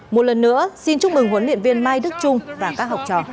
một lần nữa xin chúc mừng huấn luyện viên mai đức trung và các học trò